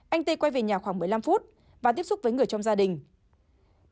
anh ti quay về nhà khoảng một mươi năm phút và tiếp xúc với người trong gia đình